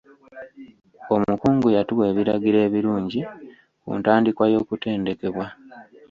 Omukungu yatuwa ebiragiro ebirungi ku ntandikwa y'okutendekebwa.